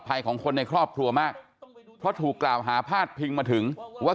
ของคนในครอบครัวมากเพราะถูกกล่าวหาพาดพิงมาถึงว่า